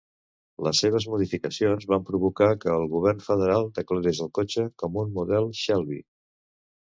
Les seves modificacions van provocar que el govern federal declarés el cotxe com un model Shelby.